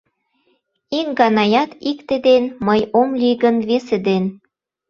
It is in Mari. Ик ганаят икте ден, мый ом лий гын, весе ден